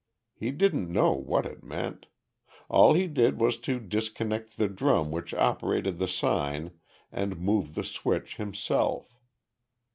He didn't know what it meant. All he did was to disconnect the drum which operated the sign and move the switch himself.